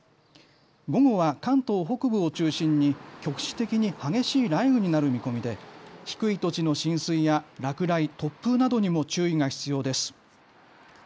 午後は関東北部を中心に局地的に激しい雷雨になる見込みで低い土地の浸水や落雷突風などにも注意が必要です。